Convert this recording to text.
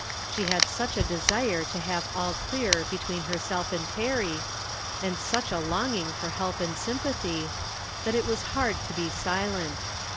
She had such a desire to have all clear between herself and Perry, and such a longing for help and sympathy, that it was hard to be silent.